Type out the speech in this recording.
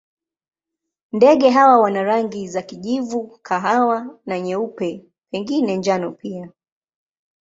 Ndege hawa wana rangi za kijivu, kahawa na nyeupe, pengine njano pia.